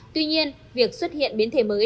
tuy nhiên việc xuất hiện biến thể mới